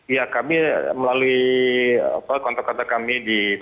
ya kami melalui kontak kontak kami di